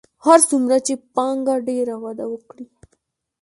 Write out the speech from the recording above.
هر څومره چې پانګه ډېره وده وکړي